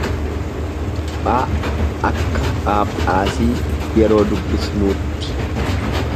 ph akka phaaphaasii yeroo dubbisnuutti.